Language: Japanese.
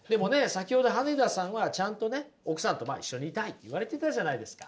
先ほど羽根田さんはちゃんとね「奥さんと一緒にいたい」って言われてたじゃないですか。